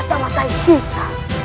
dia mematah matahi kita